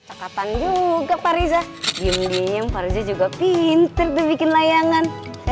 cekatan juga pariza bingung bingung pariza juga pinter dibikin layangan